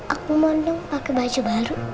aku mau nung pake baju baru